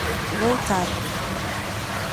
Voltar